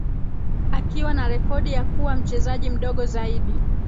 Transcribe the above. akiwa na rekodi ya kuwa mchezaji mdogo zaidi